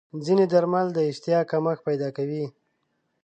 ځینې درمل د اشتها کمښت پیدا کوي.